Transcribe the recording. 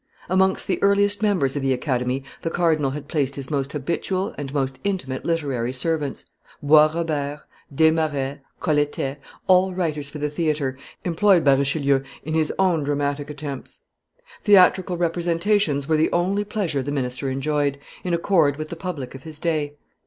Amongst the earliest members of the Academy the cardinal had placed his most habitual and most intimate literary servants, Bois Robert, Desmarets, Colletet, all writers for the theatre, employed by Richelieu in his own dramatic attempts. Theatrical representations were the only pleasure the minister enjoyed, in accord with the public of his day.